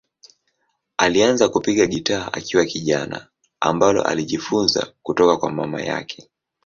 Alianza kupiga gitaa akiwa kijana, ambalo alijifunza kutoka kwa mama yake.